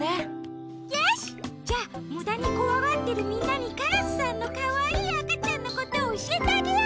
よし！じゃむだにこわがってるみんなにカラスさんのかわいいあかちゃんのことおしえてあげよう！